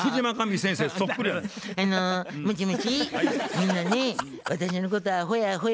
みんなね私のこと「あほやあほや」